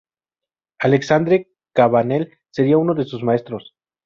Alexandre Cabanel sería uno de sus maestros.